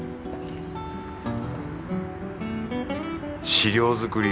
資料作り